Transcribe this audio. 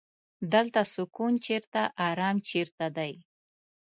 دلته سکون چرته ارام چرته دی.